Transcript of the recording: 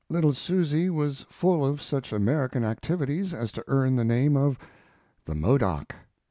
Little Susy was full of such American activities as to earn the name of "The Modoc."